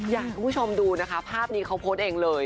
อยากให้คุณผู้ชมดูนะคะภาพนี้เขาโพสต์เองเลย